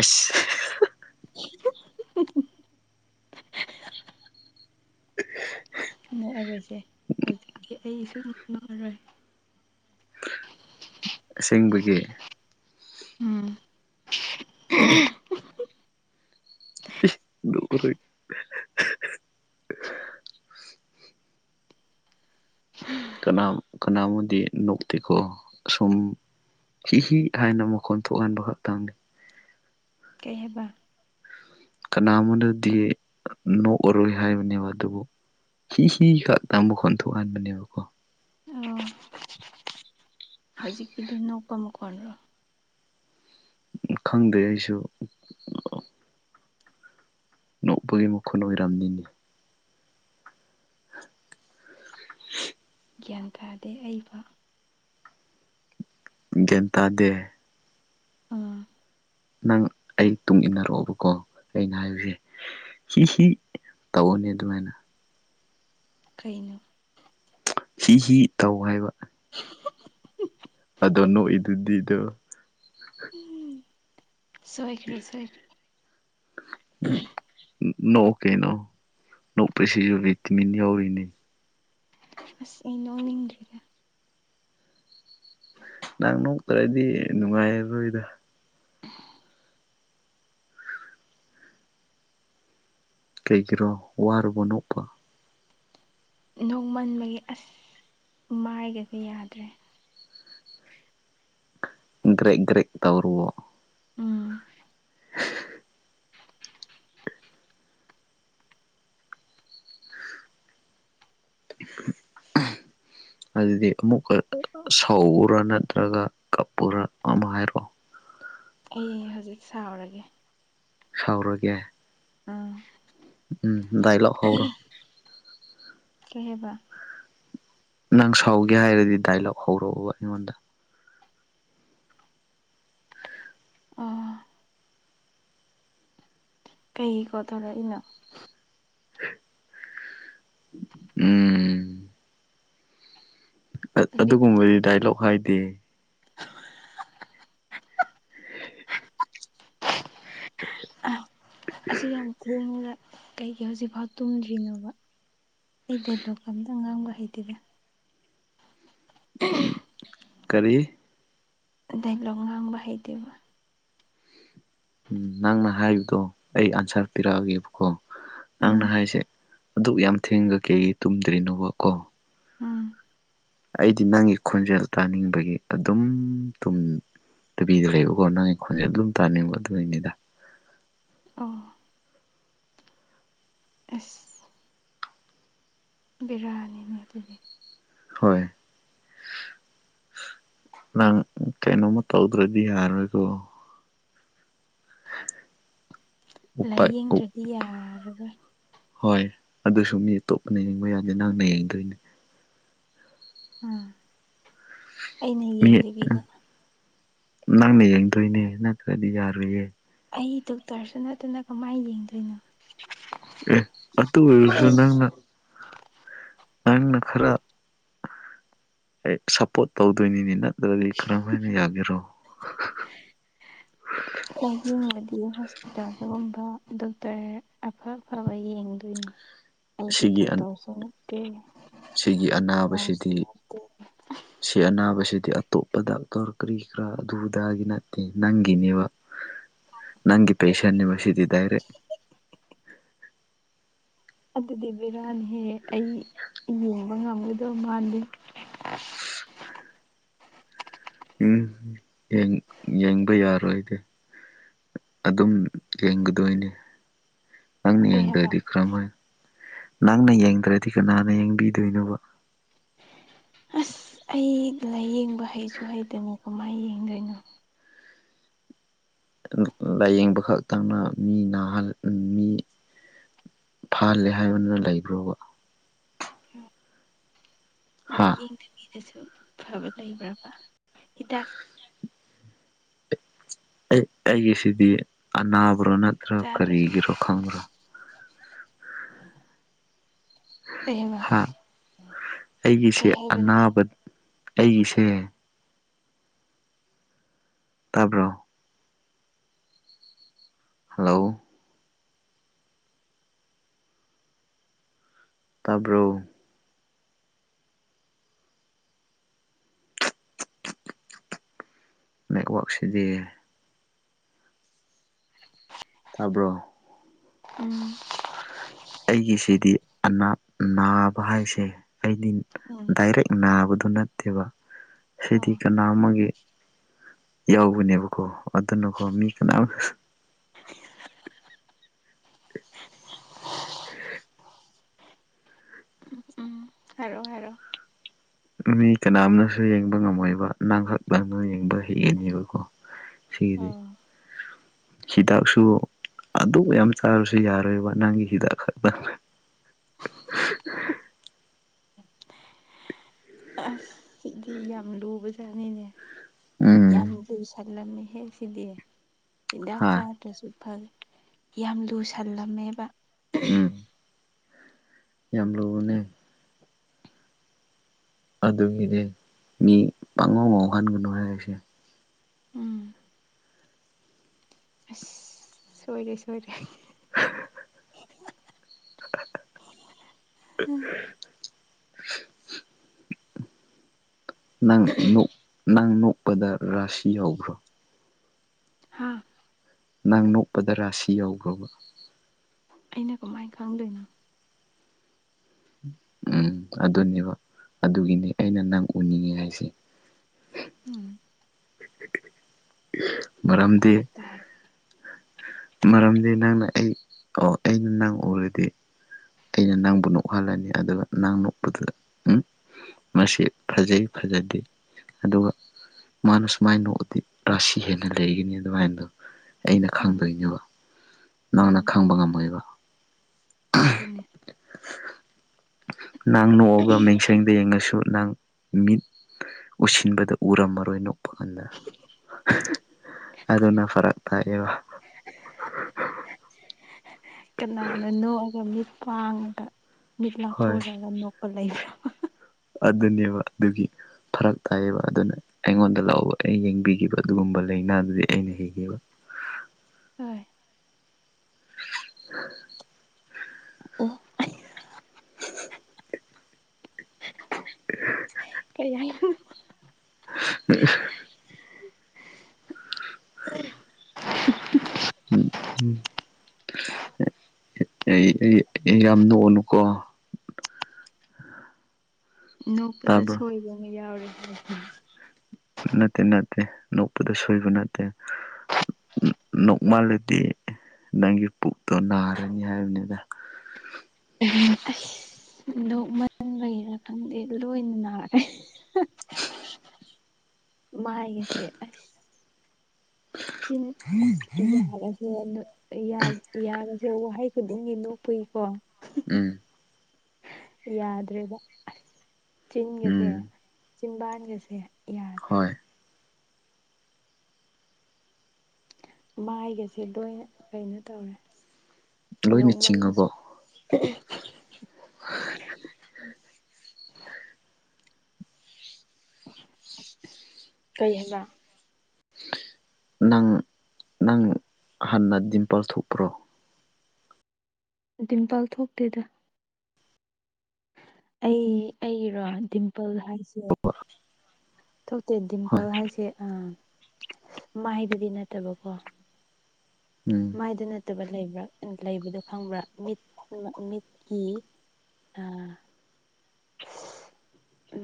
ꯑꯁ ꯎ ꯅꯣꯛꯑꯔꯣꯏꯁꯦ ꯍꯧꯖꯤꯛꯇꯤ ꯑꯩꯁꯨ ꯅꯣꯛꯑꯔꯣꯏ ꯑꯁꯦꯡꯕꯒꯤ ꯎꯝ ꯗꯔ ꯍ ꯀꯅꯥꯕꯨꯗꯤ ꯅꯣꯛꯇꯤꯀꯣ ꯁꯨꯝ ꯍꯤꯍꯤ ꯍꯥꯏꯅ ꯃꯈꯣꯟ ꯊꯣꯛꯍꯟꯕ ꯈꯛꯇꯪꯅꯤ ꯀꯩ ꯍꯥꯏꯕ ꯀꯅꯥ ꯑꯃꯗꯗꯤ ꯅꯣꯛꯑꯔꯣꯏ ꯍꯥꯏꯕꯅꯦꯕ ꯑꯗꯨꯕꯨ ꯍꯤꯍꯤ ꯈꯛꯇ ꯃꯈꯣꯟ ꯊꯣꯛꯍꯟꯕꯅꯦꯕꯀꯣ ꯑꯥ ꯍꯧꯖꯤꯛꯀꯤꯗꯨ ꯅꯣꯛꯄꯝ ꯀꯣꯟꯅꯔꯣ ꯈꯪꯗꯦ ꯑꯩꯁꯨ ꯅꯣꯛꯄꯒꯤ ꯃꯈꯨꯟ ꯑꯣꯏꯔꯝꯅꯤꯅꯤ ꯒ꯭ꯌꯥꯟ ꯇꯥꯗꯦ ꯑꯩꯕꯣ ꯒ꯭ꯌꯥꯟ ꯇꯥꯗꯦ ꯑꯥ ꯅꯪ ꯑꯩ ꯇꯨꯡ ꯏꯟꯅꯔꯛꯑꯣꯕꯀꯣ ꯑꯩꯅ ꯍꯥꯏꯕꯁꯦ ꯍꯤ ꯍꯤ ꯇꯕꯨꯅꯤ ꯑꯗꯨꯃꯥꯏꯅ ꯀꯩꯅꯣ ꯍꯤ ꯍꯤ ꯇꯧ ꯍꯥꯏꯕ ꯎ ꯑꯗꯣ ꯅꯣꯛꯏꯗꯨꯗꯤꯗ ꯁꯣꯏꯈꯔꯦ ꯁꯣꯏꯈꯦ ꯎꯝ ꯅꯣꯛꯑꯣ ꯀꯩꯅꯣ ꯅꯣꯛꯄꯥꯁꯤꯁꯨ ꯕꯤꯇꯥꯃꯤꯟ ꯌꯧꯔꯤꯅꯤ ꯑꯁ ꯏ ꯅꯣꯅꯤꯡꯟꯔꯤꯗ ꯅꯍꯪ ꯅꯣꯛꯇ꯭ꯔꯗꯤ ꯅꯨꯡꯉꯥꯏꯔꯔꯣꯏꯗ [unintelligible] ꯀꯩꯒꯤꯔꯣ ꯋꯥꯔꯕ ꯅꯣꯛꯄꯥ ꯅꯣꯡꯃꯟꯕꯒꯤ ꯑꯁ ꯃꯥꯏꯒꯗꯤ ꯌꯥꯗ꯭ꯔꯦ ꯒ꯭ꯔꯖꯒꯔꯦ ꯇꯧꯔꯨꯕꯣ ꯎꯝ ꯑ ꯑꯝ ꯑꯗꯨꯗꯤ ꯑꯃꯨꯛꯀ ꯁꯧꯎꯔꯥ ꯅꯠꯇ꯭ꯔꯒ ꯀꯞꯄꯨꯔꯥ ꯑꯃ ꯍꯥꯏꯔꯛꯑꯣ ꯑꯩ ꯍꯧꯖꯤꯛ ꯁꯥꯎꯔꯒꯦ ꯁꯥꯎꯔꯒꯦ ꯑꯥ ꯎꯝ ꯗꯗꯥꯏꯂꯥꯛ ꯍꯧ꯭ꯔꯣ ꯀꯩꯍꯕ ꯅꯪ ꯁꯥꯎꯒꯦ ꯍꯥꯏꯔꯗꯤ ꯗꯥꯏꯂꯣꯛ ꯍꯧꯔꯛꯎꯕ ꯑꯩꯉꯣꯟꯗ ꯑꯥ ꯀꯩꯀꯣ ꯊꯧꯔꯛꯏꯅꯣ ꯎꯝ ꯑꯗꯨꯒꯨꯝꯕꯗꯤ ꯗꯥꯏꯂꯣꯛ ꯍꯥꯏꯗꯦ ꯍ ꯑꯁꯤ ꯌꯥꯝ ꯈꯣꯡꯉꯨꯔꯦ ꯀꯩꯒꯤ ꯍꯧꯖꯤꯛꯐꯥꯎ ꯇꯨꯝꯗ꯭ꯔꯤꯅꯣꯕ ꯑꯩ ꯗꯂꯣꯛ ꯑꯝꯇ ꯉꯥꯡꯕ ꯍꯩꯇꯔ ꯎꯝ ꯀꯔꯤ ꯗꯥꯏꯂꯣꯛꯉꯥꯡꯕ ꯍꯩꯇꯦꯕ ꯎꯝ ꯅꯪꯅ ꯍꯥꯏꯕꯗꯣ ꯑꯩ ꯑꯟꯁꯥꯔ ꯄꯤꯔꯛꯑꯒꯦꯕꯀꯣ ꯅꯪꯅ ꯎꯝ ꯍꯥꯏꯁꯦ ꯑꯗꯨꯛ ꯌꯥꯝ ꯊꯦꯡꯒ ꯀꯩ ꯇꯨꯝꯗ꯭ꯔꯤꯅꯣꯕ ꯀꯣ ꯎꯝ ꯑꯩꯗꯤ ꯅꯪꯒꯤ ꯈꯣꯟꯖꯦꯜ ꯇꯥꯅꯤꯡꯕꯒꯤ ꯑꯗꯨꯝ ꯇꯨꯝ ꯅꯨꯕꯤꯗ ꯂꯩꯕꯀꯣ ꯅꯪ ꯑꯩ ꯈꯣꯟꯁꯦ ꯑꯗꯨꯝ ꯇꯥꯅꯤꯡꯕ ꯑꯗꯨꯏꯅꯤꯗ ꯑ ꯑꯁ ꯕꯤꯔꯤꯅꯤꯅꯦ ꯑꯗꯨꯗꯤ ꯍꯣꯏ ꯅꯪ ꯀꯩꯅꯣꯃ ꯇꯧꯗ꯭ꯔꯗꯤ ꯌꯥꯔꯣꯏꯀꯣ ꯎꯄꯥꯏ ꯂꯥꯏꯌꯦꯡꯗ꯭ꯔꯗꯤ ꯌꯥꯔꯔꯣꯏ ꯍꯣꯏ ꯑꯗꯨꯁꯨ ꯃꯤ ꯑꯇꯣꯞꯄꯅ ꯌꯦꯕ ꯌꯥꯗꯦ ꯅꯪꯅ ꯌꯦꯡꯗꯣꯏꯅꯤ ꯎꯝ ꯑꯩꯅ ꯃꯤ ꯌꯦꯡꯗꯕꯤꯗ ꯅꯪꯅ ꯌꯦꯡꯗꯣꯏꯅꯦ ꯅꯠꯇ꯭ꯔꯗꯤ ꯌꯥꯔꯨꯏꯌꯦ ꯑꯩ ꯗꯣꯛꯇꯔꯁꯨ ꯅꯠꯇꯅ ꯀꯃꯥꯏꯅ ꯌꯦꯡꯗꯣꯏꯅꯣ ꯑꯦ ꯑꯗꯨ ꯑꯣꯏꯔꯁꯨ ꯅꯪꯅ ꯅꯪꯅ ꯈꯔ ꯑꯩ ꯁꯞꯄꯣꯔꯠ ꯇꯧꯗꯣꯏꯅꯤꯅꯤꯅ ꯑꯗꯨꯗꯒꯤ ꯀꯔꯃꯥꯏꯅ ꯌꯥꯒꯦꯔꯣ ꯑꯍꯤꯡꯕꯗꯤ ꯍꯣꯁꯄꯤꯇꯥꯜꯒꯨꯝꯕ ꯗꯣꯛꯇꯔ ꯑꯐ ꯑꯐꯕ ꯌꯦꯡꯗꯣꯏꯅꯦ ꯍ ꯑꯩꯗꯤ ꯗꯣꯛꯇꯔꯁꯨ ꯅꯠꯇꯦ ꯁꯤꯒꯤ ꯅꯥꯔꯁꯁꯨ ꯑꯅꯥꯕꯁꯤꯗꯤ ꯅꯠꯇꯦ ꯁꯤ ꯑꯅꯥꯕꯁꯤꯗꯤ ꯑꯇꯣꯞꯄ ꯗꯇꯔ ꯀꯔꯤ ꯀꯔꯥ ꯑꯗꯨꯒꯤ ꯅꯠꯇꯦ ꯅꯪꯒꯤꯅꯦꯕ ꯅꯪꯒꯤ ꯑꯩ ꯄꯦꯁꯦꯟꯅꯦꯕ ꯁꯤꯗꯤ ꯗꯥꯏꯔꯦꯛ ꯑꯗꯨꯗꯤ ꯕꯤꯔꯥꯅꯤꯍꯦ ꯑꯩ ꯌꯦꯡꯕ ꯉꯝꯒꯗꯕ ꯃꯥꯥꯟꯗꯦ [inaudible] ꯎꯝ ꯌꯦꯡꯕ ꯌꯥꯔꯣꯏꯗꯤ ꯑꯗꯨꯝ ꯌꯦꯡꯒꯗꯣꯏꯅꯤ ꯅꯪꯅ ꯀꯩ ꯍꯥꯏꯕ ꯌꯦꯡꯗ꯭ꯔꯗꯤ ꯀꯔꯝ ꯑꯣꯏ ꯅꯪꯅ ꯌꯦꯡꯗ꯭ꯔꯗꯤ ꯀꯅꯥꯅ ꯌꯦꯡꯕꯤꯗꯣꯏꯅꯣꯕ ꯑꯁ ꯑꯩ ꯂꯥꯏꯌꯦꯡꯕ ꯍꯩꯁꯨ ꯍꯩꯇꯅꯤ ꯀꯃꯥꯏꯅ ꯌꯦꯡꯗꯣꯏꯅꯣ ꯂꯥꯏꯌꯦꯡꯕ ꯈꯛꯇꯪꯅ ꯃꯤ ꯅꯥꯍꯜ ꯃꯤ ꯐꯍꯜꯂꯦ ꯍꯥꯏꯕꯅꯤꯅ ꯂꯩꯕ꯭ꯔꯣꯕ ꯍꯥ ꯂꯥꯏꯌꯦꯡꯗꯕꯤꯗꯁꯨ ꯐꯕ ꯂꯩꯕ꯭ꯔꯕ ꯍꯤꯗꯥꯛ ꯑꯩ ꯑꯩꯒꯤꯁꯤꯗꯤ ꯑꯅꯥꯕ꯭ꯔꯣ ꯅꯠꯇ꯭ꯔꯥ ꯆꯥꯗ꯭ꯔꯁꯨ ꯀꯔꯤꯒꯤꯔꯣ ꯈꯪꯕ꯭ꯔꯣ ꯎ ꯍꯥ ꯀꯩ ꯑꯩꯒꯤꯁꯦ ꯍꯥꯏꯕꯅꯣ ꯑꯅꯥꯕ ꯑꯩꯒꯤꯁꯦ ꯇꯥꯕ꯭ꯔꯣ ꯍꯜꯂꯣ ꯇꯥꯕ꯭ꯔꯣ ꯅꯦꯠꯋꯥꯛꯛꯁꯤꯗꯤ ꯇꯥꯕ꯭ꯔꯣ ꯎꯝ ꯑꯩꯒꯤꯁꯤꯗꯤ ꯑꯅꯥ ꯅꯥꯕ ꯍꯥꯏꯁꯦ ꯑꯩꯗꯤ ꯎꯝ ꯗꯥꯏꯔꯦꯛ ꯅꯥꯕꯗꯨ ꯅꯠꯇꯦꯕ ꯍꯥꯏꯗꯤ ꯑꯣ ꯀꯅꯥ ꯑꯃꯒꯤꯒꯤ ꯌꯥꯎꯕꯅꯦꯕꯀꯣ ꯑꯗꯨꯅꯀꯣ ꯃꯤ ꯀꯅꯥ ꯎ ꯍꯤ ꯍꯤ ꯎꯝ ꯍꯥꯏꯔꯣ ꯍꯥꯏꯔꯣ ꯃꯤ ꯀꯅꯥꯝꯅꯁꯨ ꯌꯦꯡꯕ ꯉꯝꯃꯣꯏꯕ ꯅꯪꯍꯛ ꯅꯪꯅ ꯌꯦꯡꯕ ꯍꯦꯛꯒꯅꯦꯕꯀꯣ ꯁꯤꯗꯤꯦ ꯑꯣ ꯍꯤꯗꯥꯛꯁꯨ ꯑꯗꯨ ꯌꯥꯝ ꯆꯥꯕꯁꯨ ꯌꯥꯔꯣꯏꯕ ꯅꯪꯒꯤ ꯍꯤꯗꯥꯛ ꯈꯛꯇꯪ [inaudible] ꯑꯁ ꯁꯤꯗꯤ ꯌꯥꯝ ꯂꯨꯕꯖꯥꯠꯅꯤꯅꯦ ꯌꯥꯝ ꯎꯝ ꯂꯨꯁꯜꯂꯝꯃꯤ ꯍꯦꯛ ꯁꯤꯗꯤ ꯍꯤꯗꯥꯛ ꯍꯥ ꯆꯥꯗ꯭ꯔꯁꯨ ꯐꯔꯦ ꯌꯥꯝ ꯂꯨꯁꯜꯂꯝꯃꯦꯕ ꯎꯝ ꯌꯥꯝ ꯂꯨꯕꯅꯦ ꯑꯗꯨꯒꯤꯗꯤ ꯃꯤ ꯄꯥꯡꯉꯧ ꯃꯥꯎꯍꯟꯒꯅꯨ ꯍꯥꯏꯔꯤꯁꯦ ꯎꯝ ꯑꯁ ꯁꯣꯏꯔꯦ ꯁꯣꯏꯔꯦ [inaudible] ꯎꯝ ꯅꯪ ꯅ ꯅꯪ ꯅꯣꯛꯄꯗ ꯔꯥꯁꯤ ꯌꯥꯈ꯭ꯔꯣ ꯍꯥꯥ ꯅꯪ ꯅꯣꯛꯄꯗ ꯔꯥꯁꯤ ꯌꯧꯈ꯭ꯔꯕ ꯑꯩꯅ ꯀꯃꯥꯏꯅ ꯈꯪꯗꯣꯏꯅꯣ ꯎꯝ ꯑꯗꯨꯅꯦꯕ ꯑꯗꯨꯒꯤꯅꯦ ꯑꯩꯅ ꯅꯪ ꯎꯅꯤꯡꯉꯦ ꯍꯥꯏꯁꯦ ꯎꯝ ꯃꯔꯔꯝꯗꯤ ꯎꯝ ꯃꯔꯝꯗꯤ ꯅꯪꯅ ꯑꯩ ꯑꯣ ꯑꯩꯅ ꯅꯪ ꯎꯔꯗꯤ ꯑꯩꯅ ꯅꯪꯕꯨ ꯅꯣꯛꯍꯜꯂꯅꯤ ꯑꯗꯨꯒ ꯅꯪ ꯅꯣꯛꯄꯗꯨꯗ ꯎ ꯃꯁꯤ ꯐꯖꯩ ꯐꯖꯗꯦ ꯑꯗꯨꯒ ꯃꯥꯅ ꯁꯨꯃꯥꯏꯅ ꯅꯣꯛꯗꯤ ꯔꯥꯁꯤ ꯍꯦꯟꯅ ꯂꯩꯒꯅꯤ ꯑꯗꯨꯃꯥꯏꯅꯗꯣ ꯑꯩꯅ ꯎꯝ ꯈꯪꯗꯣꯏꯅꯦꯕ ꯅꯪꯅ ꯎꯝ ꯈꯪꯕ ꯉꯝꯃꯣꯏꯕ ꯑꯗꯨꯅꯦ ꯅꯪ ꯅꯣꯛꯑꯒ ꯃꯤꯡꯁ ꯁꯦꯡꯗ ꯌꯦꯡꯉꯁꯨ ꯅꯪ ꯃꯤꯠ ꯎꯁꯤꯟꯕꯗ ꯎꯔꯝꯃꯔꯣꯏꯅꯨ ꯄꯀꯟꯗ ꯑꯗꯨꯅ ꯐꯔꯛ ꯇꯥꯛꯑꯦꯕ ꯀꯅꯥꯅ ꯅꯣꯛꯑꯒ ꯃꯤꯠ ꯄꯥꯡꯉꯒ ꯃꯤꯠ ꯍꯣꯏ ꯂꯥꯊꯣꯔꯒ ꯅꯣꯛꯄ ꯂꯩꯕ꯭ꯔꯥ ꯑꯗꯨꯅꯦꯕ ꯑꯗꯨꯒꯤ ꯐꯔꯛ ꯇꯥꯏꯌꯦꯕ ꯑꯗꯨꯅ ꯑꯩꯉꯣꯟꯗ ꯂꯥꯛꯑꯣꯕ ꯑꯩꯅ ꯌꯦꯡꯕꯤꯒꯦꯕ ꯑꯗꯨꯒꯨꯝꯕ ꯂꯥꯏꯅꯥꯗꯨꯗꯤ ꯑꯩꯅ ꯌꯦꯡꯒꯦꯕ ꯍꯣꯏ ꯎꯝ ꯑꯣ ꯀꯔꯤ ꯍꯥꯏ ꯎ ꯎꯝ ꯌꯥꯝ ꯅꯨꯎꯅꯨꯀꯣ ꯅꯣꯛꯄꯗ ꯇꯥꯕ꯭ꯔꯣ ꯁꯣꯏꯕ ꯑꯃ ꯌꯥꯎꯔꯦ ꯅꯠꯇꯦ ꯅꯠꯇꯦ ꯅꯣꯛꯄꯗ ꯁꯣꯏꯕ ꯅꯠꯇꯦ ꯅꯣꯛꯃꯜꯂꯗꯤ ꯅꯪꯒꯤ ꯄꯨꯛꯇꯣ ꯅꯥꯔꯅꯤ ꯍꯥꯏꯕꯅꯤꯗ ꯎ ꯑꯁ ꯅꯣꯛ ꯃꯟ ꯂꯩꯔ ꯈꯪꯗꯦ ꯂꯣꯏꯅ ꯅꯥꯔꯦ [inaudible] ꯃꯥꯒꯦꯁꯦ ꯑꯁ ꯆꯤꯟ ꯑꯁ ꯌꯥꯔ ꯌꯥꯔꯁꯦ ꯋꯥꯍꯩ ꯈꯨꯗꯤꯡꯒꯤ ꯂꯣꯛꯄꯨꯏꯀꯣ ꯎꯝ ꯌꯥꯗ꯭ꯔꯦꯕ ꯑꯁ ꯆꯤꯟꯒꯁꯦ ꯎꯝ ꯆꯤꯝꯕꯥꯟꯒꯁꯦ ꯌꯥꯗ꯭ꯔꯦ ꯍꯣꯏ ꯃꯥꯏꯒꯁꯦ ꯂꯣꯏꯅ ꯀꯩꯅꯣ ꯇꯧꯔꯦ ꯂꯣꯏꯅ ꯆꯤꯡꯉꯕꯣ ꯅꯣꯛꯃꯜꯂꯥꯁꯨ ꯍ ꯀꯩ ꯍꯥꯏꯕ ꯅꯪ ꯅꯪ ꯍꯥꯟꯅ ꯗꯤꯝꯄꯜ ꯊꯣꯛꯄ꯭ꯔꯣ ꯇꯤꯝꯄꯜ ꯊꯣꯛꯇꯦꯗ ꯑꯩ ꯑꯩꯔꯣ ꯗꯤꯝꯄꯜ ꯍꯥꯏꯁꯦ ꯊꯣꯛꯇꯦ ꯍꯣꯏ ꯗꯤꯝꯄꯜ ꯍꯥꯏꯁꯦ ꯑ ꯃꯥꯏꯗꯗꯤ ꯅꯠꯇꯕꯀꯣ ꯎꯝ ꯃꯥꯏꯗ ꯅꯠꯇꯕ ꯂꯩꯕ꯭ꯔꯥ ꯂꯩꯕꯗꯣ ꯈꯪꯕ꯭ꯔꯥ ꯃꯤꯠ ꯃꯤꯠꯀꯤ ꯑ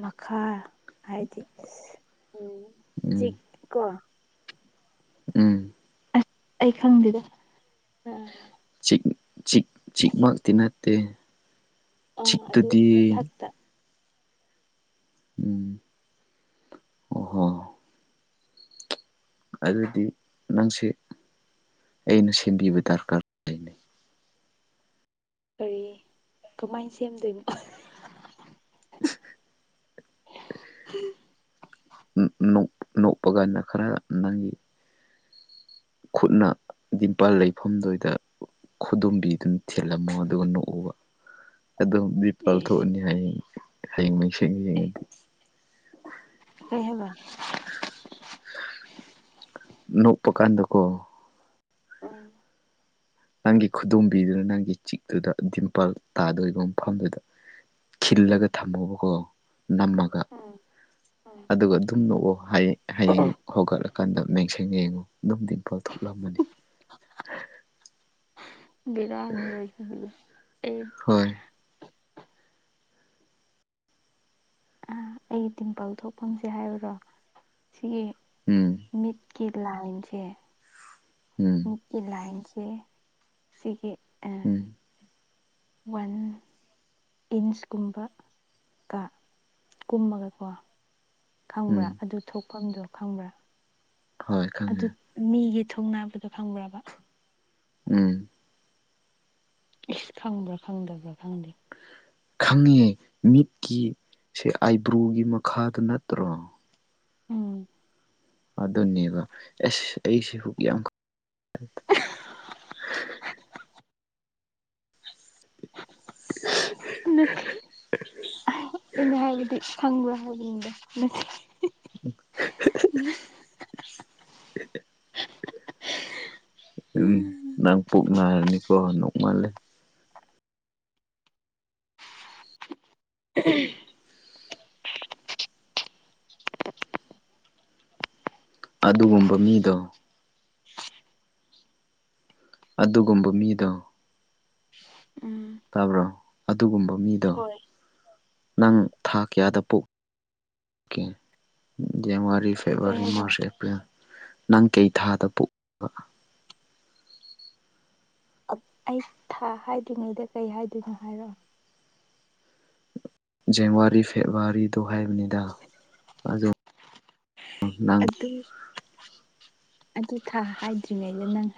ꯃꯈꯥ ꯍꯥꯏꯗꯤ ꯎꯝ ꯎꯝ ꯆꯤꯛ ꯀꯣ ꯎꯝ ꯑꯁ ꯑꯩ ꯈꯪꯗꯦꯗ ꯑ ꯆꯤꯛ ꯆꯤꯛ ꯃꯛꯇꯤ ꯅꯠꯇꯦ ꯆꯤꯛ ꯑꯗꯨ ꯇꯨꯗꯤ ꯃꯊꯛꯇ ꯎꯝ ꯑꯣꯍꯣ ꯑꯗꯨꯗꯤ ꯅꯪꯁꯦ ꯑꯩꯅ ꯁꯦꯝꯕꯤꯕ ꯗꯔꯀꯥꯔ ꯎ ꯀꯔꯤ ꯀꯃꯥꯏꯅ ꯁꯦꯝꯗꯣꯏꯅꯣ ꯅꯣꯛꯄ ꯀꯥꯟꯗ ꯈꯔ ꯅꯪꯒꯤ ꯈꯨꯠꯅ ꯗꯤꯝꯄꯥꯜ ꯂꯩꯐꯝꯗꯨꯏꯗ ꯈꯨꯗꯣꯝꯕꯤꯗꯨꯅꯥ ꯊꯤꯜꯂꯝꯃꯣ ꯑꯗꯨꯒ ꯅꯣꯛꯑꯣꯕ ꯑꯗꯨꯝ ꯑꯦꯁ ꯄꯥꯜꯊꯣꯛꯑꯅꯤ ꯍꯌꯦꯡ ꯍꯌꯦꯡ ꯃꯩꯁꯦꯡ ꯑꯦ ꯌꯦꯡꯉꯗꯤ ꯀꯩ ꯍꯥꯏꯕ ꯅꯣꯛꯄ ꯀꯥꯟꯗ ꯀꯣ ꯎꯝ ꯅꯪꯒꯤ ꯈꯨꯗꯣꯝꯕꯤꯗꯨꯅ ꯅꯪꯒꯤ ꯆꯤꯛꯇꯨꯗ ꯗꯤꯝꯄꯜ ꯇꯥꯗꯣꯏꯔꯤꯕ ꯃꯐꯝꯗꯨꯗ ꯈꯤꯜꯂꯒ ꯊꯝꯃꯣꯕꯀꯣ ꯅꯝꯃꯒ ꯑꯥ ꯑꯥ ꯑꯗꯨꯒ ꯑꯗꯨꯝ ꯅꯣꯛꯑꯣꯡ ꯍꯌꯦꯡ ꯍꯧꯒꯠꯂꯀꯥꯟꯗ ꯃꯡꯁꯪ ꯌꯦꯡꯉꯣ ꯑꯗꯨꯝꯗꯤꯝꯄꯜ ꯊꯣꯛꯂꯝꯃꯅꯤ ꯕꯤꯔ ꯍꯅꯤ ꯂꯁꯤ ꯑꯦ ꯍꯣꯏ ꯑꯩ ꯇꯤꯝꯄꯜ ꯊꯣꯛꯐꯝꯁꯦ ꯍꯥꯏꯔꯨꯔꯣ ꯁꯤꯒꯤ ꯎꯝ ꯃꯤꯠ ꯀꯤ ꯂꯥꯏꯟ ꯁꯦ ꯎꯝ ꯃꯤꯠꯀꯤ ꯂꯥꯏꯟꯁꯦ ꯁꯤꯒꯤ ꯎꯝ ꯋꯥꯟ ꯏꯟꯁ ꯀꯨꯝꯕ ꯀ ꯀꯨꯝꯃꯒꯀꯣ ꯈꯪꯕ꯭ꯔꯥ ꯎꯝ ꯑꯗꯨ ꯊꯣꯛꯐꯝꯗꯣ ꯈꯪꯕ꯭ꯔꯥ ꯍꯣꯏ ꯑꯗꯨ ꯈꯪꯉꯦ ꯃꯤꯒꯤ ꯊꯨꯡꯅꯥꯕꯗꯣ ꯈꯪꯕ꯭ꯔꯕ ꯎꯝ ꯏꯁ ꯈꯪꯕ꯭ꯔꯥ ꯈꯪꯗꯕ꯭ꯔꯥ ꯈꯪꯗꯦ ꯈꯪꯉꯦ ꯃꯤꯠꯀꯤ ꯁꯦ ꯑꯥꯏꯕ꯭ꯔꯨꯒꯤ ꯃꯈꯥꯗ ꯅꯠꯇ꯭ꯔꯣ ꯎꯝ ꯑꯗꯨꯅꯦꯕ ꯑꯦꯁ ꯑꯩꯁꯤꯕꯨꯛ ꯌꯥꯝ [unintelligible] ꯑꯩꯅ ꯍꯥꯏꯕꯗꯤ ꯈꯪꯕ꯭ꯔꯥ ꯑꯗꯨꯒꯤꯅꯤꯗ [inaudible] ꯎꯝ ꯅꯪ ꯄꯨꯛ ꯅꯥꯔꯅꯤꯀꯣ ꯅꯣꯛꯃꯥꯜꯂꯦ ꯎꯝ [inaudible] ꯑꯗꯨꯒꯨꯝꯕ ꯃꯤꯗꯣ ꯑꯗꯨꯒꯨꯝꯕ ꯃꯤꯗꯣ ꯎꯝ ꯇꯥꯕ꯭ꯔꯣ ꯑꯗꯨꯒꯨꯝꯕ ꯃꯤꯗꯣ ꯍꯣꯏ ꯅꯪ ꯎꯝ ꯊꯥ ꯀꯌꯥꯗ ꯄꯣꯛꯀꯦ ꯖꯅꯋꯥꯔꯤ ꯀꯩ ꯐꯦꯕꯋꯥꯔꯤ ꯍꯥꯏꯕ ꯃꯥꯔꯆ ꯑꯦꯄ꯭ꯔꯤꯜ ꯅꯪ ꯀꯩ ꯊꯥꯗ ꯄꯣꯛꯕ ꯑꯩ ꯊꯥ ꯍꯥꯏꯗ꯭ꯔꯤꯉꯩꯗ ꯀꯔꯤ ꯍꯥꯏꯗꯣꯏꯅꯣ ꯍꯥꯏꯔꯛꯑꯣ ꯖꯅꯋꯥꯔꯤ ꯐꯦꯕꯋꯥꯔꯤꯗꯣ ꯍꯥꯏꯕꯅꯤꯗ ꯑꯗꯨ ꯅꯪ ꯑꯗꯨ ꯑꯗꯨ ꯊꯥ ꯍꯥꯏꯗ꯭ꯔꯤꯉꯩꯗ ꯅꯪ ꯍꯥꯏ